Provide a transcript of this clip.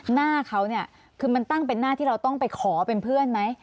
หน้าเขาเนี่ยคือมันตั้งเป็นหน้าที่เราต้องไปขอเป็นเพื่อนไหม